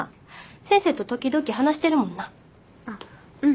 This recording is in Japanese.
先生と時々話してるもんなあっうん